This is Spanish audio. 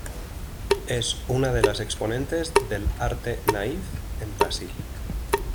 Es una de las exponentes del arte naif en Brasil.